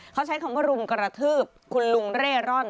เขาใช้คำว่ารุมกระทืบคุณลุงเร่ร่อน